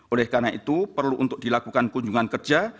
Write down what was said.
oleh karena itu perlu untuk dilakukan kunjungan kerja